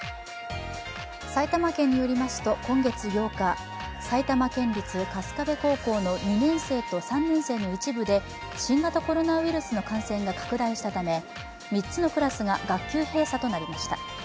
埼玉県によりますと今月８日、埼玉県立春日部高校の２年生と３年生の一部で新型コロナウイルスの感染が拡大したため３つのクラスが学級閉鎖となりました。